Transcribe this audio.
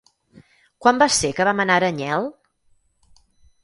Quan va ser que vam anar a Aranyel?